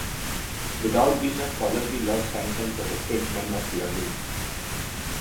Without being a scholar, he loved science and protected men of learning.